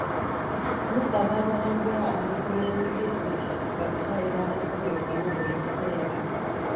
Musaba abalambula amasomero mu disitulikiti okukyalira amasomero gammwe buli kiseera.